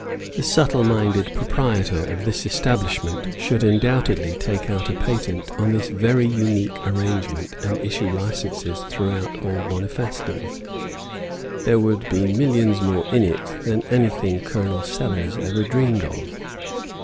The subtle minded proprietor of this establishment should undoubtedly take out a patent on this very unique arrangement and issue licences throughout all Bonifacedom; there would be more "millions in it" than in anything Colonel Sellers ever dreamed of.